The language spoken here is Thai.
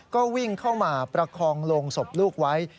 ก็วิ่งเข้ามาประคองโรงศพลูกไว้